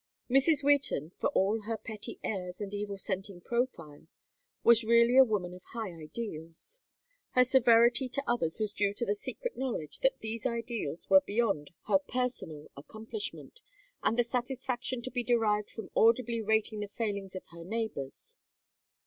Mrs. Wheaton, for all her petty airs and evil scenting profile, was really a woman of high ideals. Her severity to others was due to the secret knowledge that these ideals were beyond her personal accomplishment, and the satisfaction to be derived from audibly rating the failings of her neighbors.